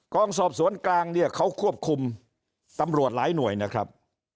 สอบสวนกลางเนี่ยเขาควบคุมตำรวจหลายหน่วยนะครับ